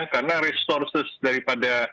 karena resources daripada